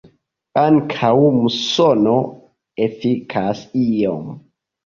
Ankaŭ musono efikas iom.